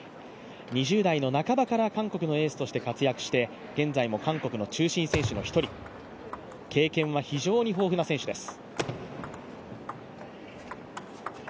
２０代の半ばから韓国のエースとして活躍して現在も韓国の中心選手の１人、経験は非常に豊富な選手です。